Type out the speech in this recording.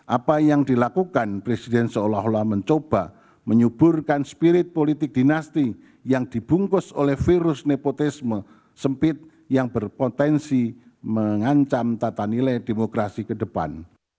apa yang dilakukan presiden seolah olah mencoba menyuburkan spirit politik dinasti yang dibungkus oleh virus nepotisme sempit yang berpotensi mengancam tata nilai demokrasi ke depan